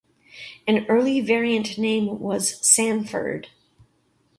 An early variant name was "Sanford".